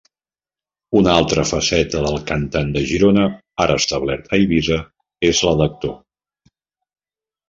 Una altra faceta del cantant de Girona, ara establert a Eivissa, és la d'actor.